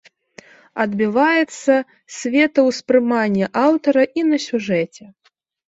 Адбіваецца светаўспрыманне аўтара і на сюжэце.